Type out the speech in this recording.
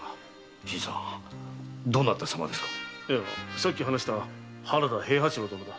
さっき話した原田平八郎殿だ。